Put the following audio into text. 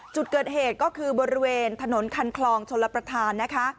จุดเกิดเหตุก็คือบริเวณถนนคันคลองชลประธานนะคะ